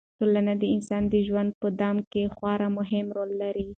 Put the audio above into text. ټولنه د انسان د ژوند په دوام کې خورا مهم رول لري.